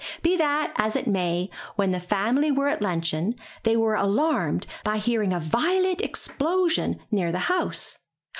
Be that as it may, when the family were at luncheon, they were alarmed by hearing a violent explosion near the house.